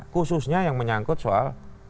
khususnya yang menyangkut soal